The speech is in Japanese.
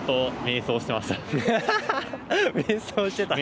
瞑想してた？